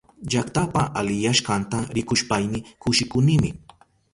Llaktapa aliyashkanta rikushpayni kushikunimi.